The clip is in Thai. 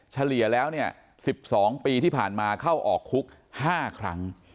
เฉลี่ยแล้วเนี่ย๑๒ปีที่ผ่านมาเข้าออกคุก๕ครั้ง